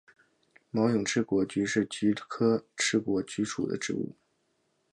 毛脉翅果菊是菊科翅果菊属的植物。